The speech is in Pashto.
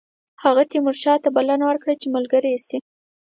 هغه تیمورشاه ته بلنه ورکړه چې ملګری شي.